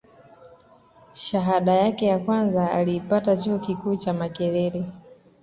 shahada yake ya kwanza aliipata chuo kikuu cha makerere